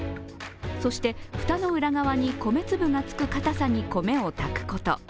そして蓋の裏側に米粒がつく硬さに米を炊くこと。